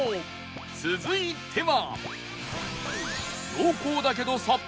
続いては